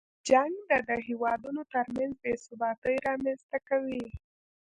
جنګ د هېوادونو تر منځ بې ثباتۍ رامنځته کوي.